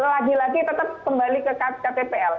lagi lagi tetap kembali ke ktpl